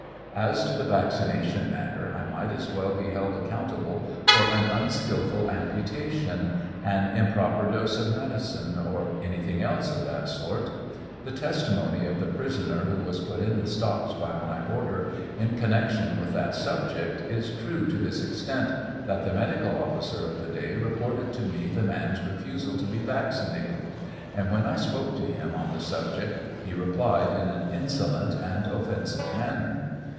As to the vaccination matter, I might as well be held accountable for a; unskillful amputation, an improper dose of medicine, or anything else of tha sort. The testimony of the prisoner who was put in the stocks by my ordei in connection with that subject, is true to this extent, that the medical officer o the day reported to me the man's refusal to be vaccinated, and when I spok to him ou the subject he replied in an insolent and offensive manner.